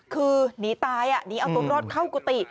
คือหนีตายหนีเอาตัวรอดเข้ากุฏิ